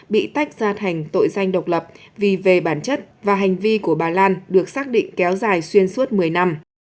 bị tách ra thành tội danh độc lập vì về bản chất và hành vi của bà lan được xác định kéo dài xuyên suốt một mươi năm